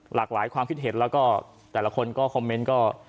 หลากหลายความคิดเห็นแล้วก็แต่ละคนก็คอมเมนต์ก็